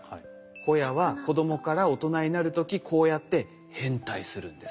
ホヤは子供から大人になる時こうやって変態するんです。